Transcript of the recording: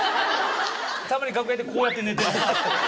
たまに楽屋でこうやって寝てるんです。